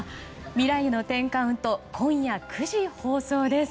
「未来への１０カウント」今夜９時放送です。